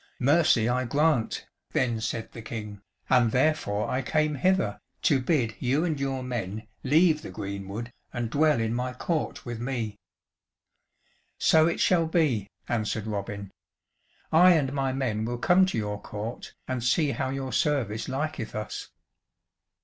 "Mercy I grant," then said the King, "and therefore I came hither, to bid you and your men leave the greenwood and dwell in my court with me." "So it shall be," answered Robin, "I and my men will come to your court, and see how your service liketh us."